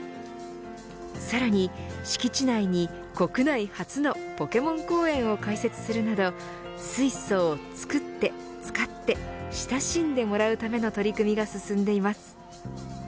さらに敷地内に国内初のポケモン公園を開設するなど水素を作って、使って親しんでもらうための取り組みが進んでいます。